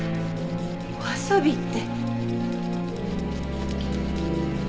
お遊びって！